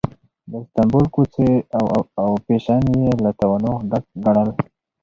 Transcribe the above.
د استانبول کوڅې او فېشن یې له تنوع ډک ګڼل.